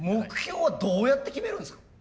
目標はどうやって決めるんですか？